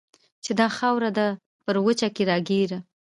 چې دا خاوره ده پر وچه کې راګېره